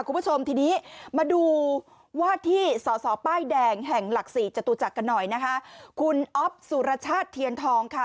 คุณผู้ชมทีนี้มาดูว่าที่ส่อส่อป้ายแดงแห่งตัวจากกันหน่อยคุณอบสุรชาติเทียนทองค่ะ